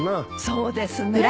そうですね。